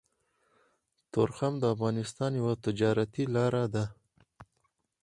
تورخم د افغانستان يوه تجارتي لاره ده